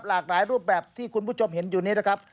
หลากหลายรูปแบบที่คุณผู้ชมเห็นอยู่นี้นะครับ